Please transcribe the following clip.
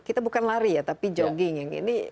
kita bukan lari ya tapi jogging